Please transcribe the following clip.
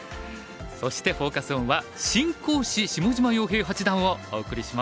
そしてフォーカス・オンは「新講師下島陽平八段」をお送りします。